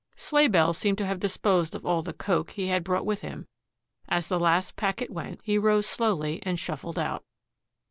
"Sleighbells" seemed to have disposed of all the "coke" he had brought with him. As the last packet went, he rose slowly, and shuffled out.